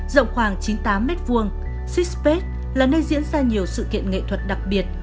rộng khoảng chín mươi tám m hai six space là nơi diễn ra nhiều sự kiện nghệ thuật đặc biệt